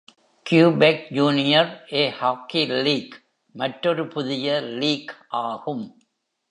Quebec junior A hockey league மற்றொரு புதிய league ஆகும்.